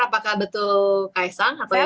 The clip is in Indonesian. apakah betul kaisang atau yang lain